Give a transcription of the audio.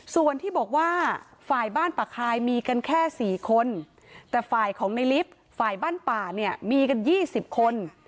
ส่วนที่บอกว่าฝ่ายบ้านป่าคายมีกันแค่๔คนแต่ฝ่ายของในลิฟต์ฝ่ายบ้านป่าเนี่ยมีกัน๒๐คน